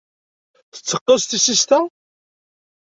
Tetteqqes tissist-a?